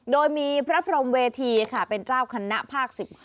โดยมีพระพรมเวทีค่ะเป็นเจ้าคณะภาค๑๕